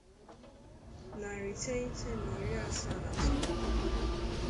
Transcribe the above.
narị iteghete na iri asaa na atọ